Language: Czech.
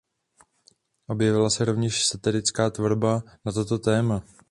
Objevila se rovněž satirická tvorba na toto téma.